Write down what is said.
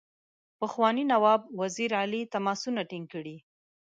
پخواني نواب وزیر علي تماسونه ټینګ کړي.